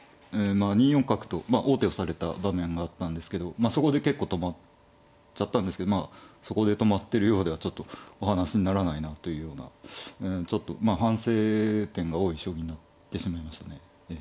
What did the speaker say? ２四角と王手をされた場面があったんですけどそこで結構止まっちゃったんですけどそこで止まってるようではちょっとお話にならないなというようなちょっと反省点が多い将棋になってしまいましたね。